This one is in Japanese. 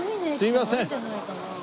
すいません。